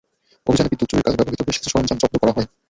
অভিযানে বিদ্যুৎ চুরির কাজে ব্যবহৃত বেশ কিছু সরঞ্জাম জব্দ করা হয়।